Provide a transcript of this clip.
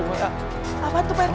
apaan itu pak rt